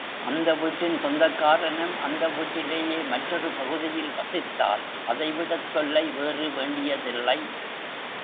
அந்த வீட்டின் சொந்தக்காரனும் அந்த வீட்டிலேயே மற்றொரு பகுதியில் வசித்தால் அதைவிடத் தொல்லை வேறு வேண்டியதில்லை.